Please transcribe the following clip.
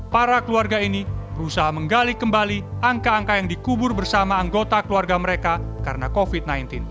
para keluarga ini berusaha menggali kembali angka angka yang dikubur bersama anggota keluarga mereka karena covid sembilan belas